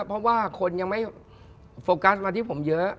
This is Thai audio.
เพราะว่าคนยังไม่โฟกัสมาที่ผมเยอะ